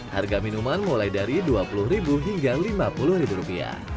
harga minuman mulai dari rp dua puluh hingga rp lima puluh